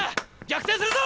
逆転するぞ！